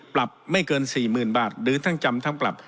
ปรับไม่เกิน๔๐๐๐บาทหรือทั้งจำทั้งปรับ